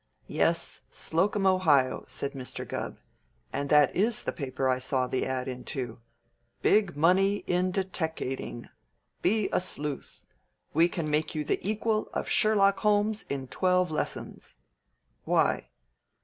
"Yes, Slocum, Ohio," said Mr. Gubb, "and that is the paper I saw the ad. into; 'Big Money in Deteckating. Be a Sleuth. We can make you the equal of Sherlock Holmes in twelve lessons.' Why?"